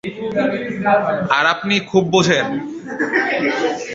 আর আপনি খুব বোঝেন?